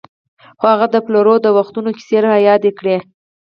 خو هغه د پلرو د وختونو کیسې خو رایادې کړه.